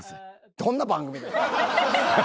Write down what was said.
どんな番組だよ。